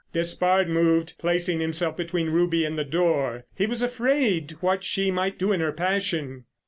Despard moved, placing himself between Ruby and the door. He was afraid what she might do in her passion.